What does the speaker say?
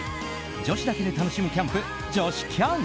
女子だけで楽しむキャンプ女子キャン！